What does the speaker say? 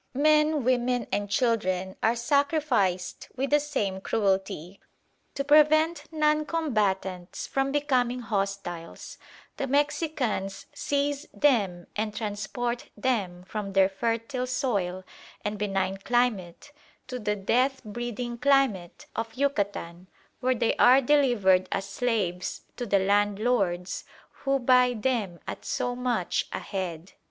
"Men, women, and children are sacrificed with the same cruelty. To prevent non combatants from becoming hostiles, the Mexicans seize them and transport them from their fertile soil and benign climate to the death breeding climate of Yucatan, where they are delivered as slaves to the landlords, who buy them at so much a head.